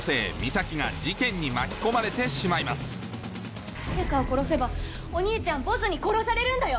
恩人の女性誰かを殺せばお兄ちゃんボスに殺されるんだよ。